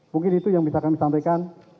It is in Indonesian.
mungkin itu yang bisa kami sampaikan